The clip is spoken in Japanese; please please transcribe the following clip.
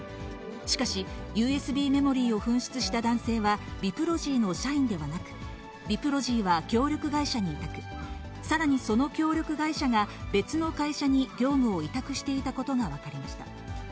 しかし、ＵＳＢメモリーを紛失した男性は、ビプロジーの社員ではなく、ビプロジーは協力会社に委託、さらにその協力会社が別の会社に業務を委託していたことが分かりました。